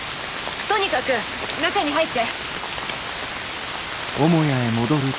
とにかく中に入って。